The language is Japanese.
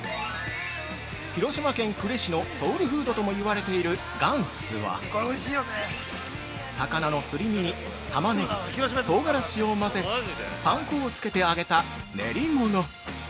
◆広島県呉市のソウルフードともいわれている「がんす」は魚のすり身にタマネギ、唐辛子を混ぜパン粉をつけて揚げた練り物。